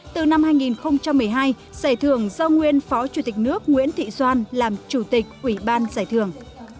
từ năm hai nghìn một mươi hai giải thưởng do nguyên phó chủ tịch nước nguyễn thị doan làm chủ tịch ủy ban giải thưởng